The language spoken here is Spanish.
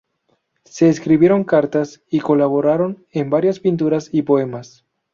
Se escribieron cartas, y colaboraron en varias pinturas y poemas.